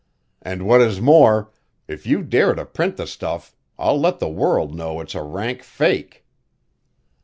And what is more, if you dare to print the stuff I'll let the world know it's a rank fake."